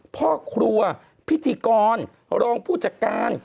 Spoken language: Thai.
พ่อครัวพิธีกรรองผู้จัดการ